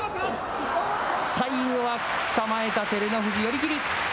最後はつかまえた照ノ富士、寄り切り。